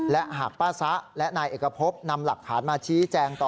และหากป้าซะและนายเอกพบนำหลักฐานมาชี้แจงต่อ